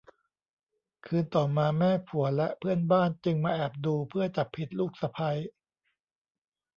คืนต่อมาแม่ผัวและเพื่อนบ้านจึงมาแอบดูเพื่อจับผิดลูกสะใภ้